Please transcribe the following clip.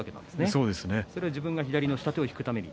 それは自分が左の下手を引くために？